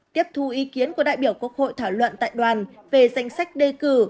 tiếp thu ý kiến của đại biểu quốc hội thảo luận tại đoàn về danh sách đề cử